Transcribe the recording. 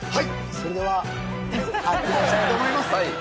それでは発表したいと思います。